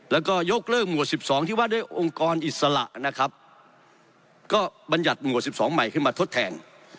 แล้วก็ยกเลิกหมวด๑๒ที่ว่าด้วยองค์กรอิสระนะครับก็บรรยัติหมวด๑๒ใหม่ขึ้นมาทดแทน